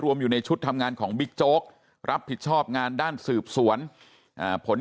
อยู่ในชุดทำงานของบิ๊กโจ๊กรับผิดชอบงานด้านสืบสวนผล